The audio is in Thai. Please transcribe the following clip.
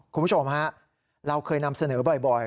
คุณผู้ชมฮะเราเคยนำเสนอบ่อย